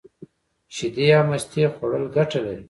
شیدې او مستې خوړل گټه لري.